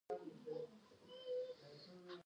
د ننګرهار په لعل پورې کې د سمنټو مواد شته.